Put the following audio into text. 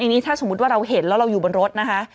นี่ถ้าสมมุติว่าเราเห็นแล้วเราอยู่บนรถนะคะ